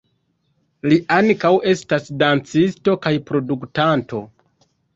Li ankaŭ estas dancisto kaj produktanto.